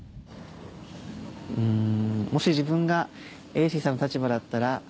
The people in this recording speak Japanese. もし自分が英伸さんの立場だったら。